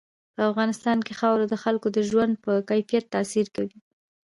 په افغانستان کې خاوره د خلکو د ژوند په کیفیت تاثیر کوي.